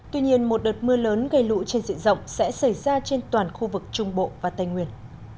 tuy nhiên một đợt mưa lớn gây lũ trên diện rộng sẽ xảy ra trên toàn khu vực trung bộ và tây nguyên